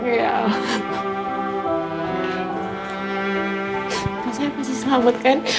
bapak saya pasti selamat kan